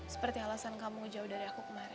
seperti alasan kamu jauh dari aku kemarin